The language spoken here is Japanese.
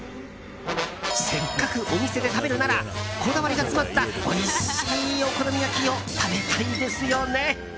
せっかくお店で食べるならこだわりが詰まったおいしいお好み焼きを食べたいですよね。